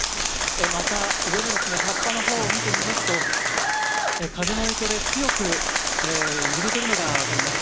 また上のですね、葉っぱの方を見てみますと、風の影響で強く揺れているのが分かります。